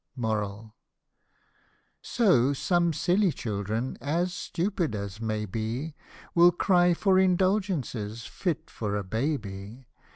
So some silly children, as stupid as may be, Will cry for indulgences fit for a baby.